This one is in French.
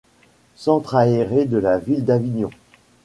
Centre aéré de la ville d'Avignon.